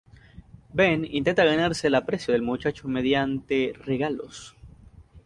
Ben intenta ganarse el aprecio del muchacho mediante regalos.